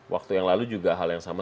waktu yang lalu juga hal yang sama